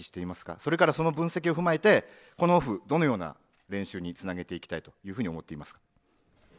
それから、その分析を踏まえてこのオフ、どのような練習につなげていきたいと思っていますか。